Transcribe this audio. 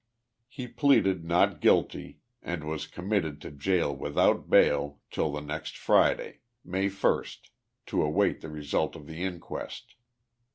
He pleaded not guilty and was com initted to jail without bail till the next Friday, May 1, to await the result of the inquest.